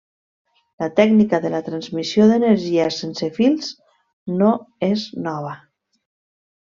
La tècnica de la transmissió d'energia sense fils no és nova.